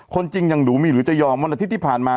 จริงยังดูมีหรือจะยอมวันอาทิตย์ที่ผ่านมา